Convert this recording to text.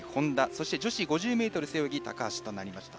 そして女子５０ｍ背泳ぎは高橋となりました。